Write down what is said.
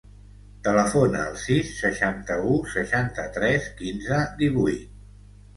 Telefona al sis, seixanta-u, seixanta-tres, quinze, divuit.